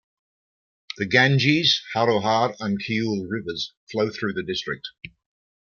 The Ganges, Harohar and Kiul rivers flow through the district.